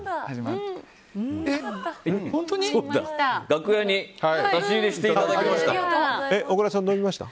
楽屋に差し入れしていただきました。